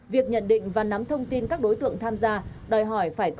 việc nhận định và nắm thông tin các đối tượng tham gia